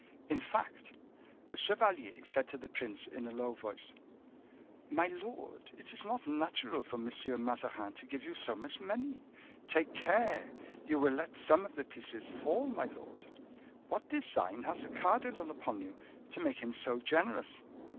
In fact the chevalier said to the prince in a low voice, "My lord, it is not natural for M. Mazarin to give you so much money. Take care! you will let some of the pieces fall, my lord. What design has the cardinal upon you to make him so generous?"